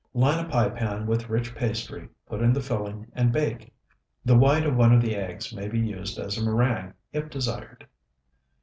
Line a pie pan with rich pastry, put in the filling, and bake. The white of one of the eggs may be used as a meringue, if desired.